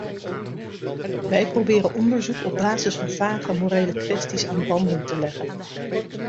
Wij proberen onderzoek op basis van vage morele kwesties aan banden te leggen.